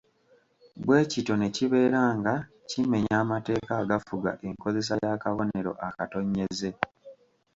Bwe kityo ne kibeera nga kimenya amateeka agafuga enkozesa y’akabonero akatonnyeze.